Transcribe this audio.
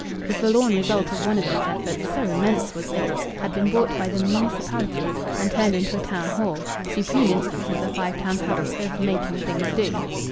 The forlorn result of one of these efforts so immense was it! had been bought by the municipality and turned into a Town Hall supreme instance of the Five Towns' habit of "making things do!"